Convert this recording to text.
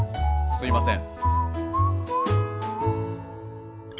すみません。